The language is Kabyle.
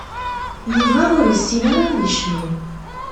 Yuba ur yessin ad yecnu.